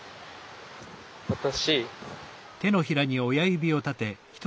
私。